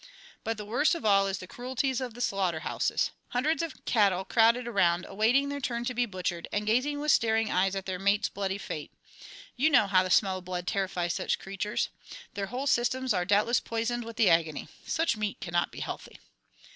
"But the worst of all is the cruelties of the slaughter houses. Hundreds of cattle crowded around awaiting their turn to be butchered, and gazing with staring eyes at their mates' bloody fate. You know how the smell of blood terrifies such creatures. Their whole systems are doubtless poisoned with the agony. Such meat cannot be healthy.